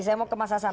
saya mau ke mas hasan